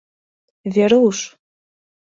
— Веруш!